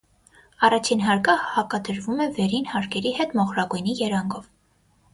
Առաջին հարկը հակադրվում է վերին հարկերի հետ մոխրագույնի երանգով։